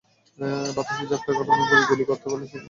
বাতাসে ঝাপটা গণনা করে গুলি করতে পারলে, সে মারা যাবে, স্যার।